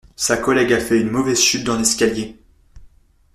Sa collègue a fait une mauvaise chute dans l'escalier.